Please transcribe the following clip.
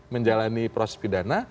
menjalani proses pidana